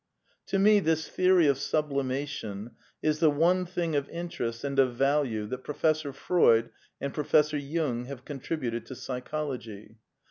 To me this theory of sublimation is the one thing of interest and of value that Professor Freud and Professor Jung have contributed to Psychology.